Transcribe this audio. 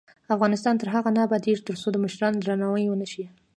افغانستان تر هغو نه ابادیږي، ترڅو د مشرانو درناوی ونشي.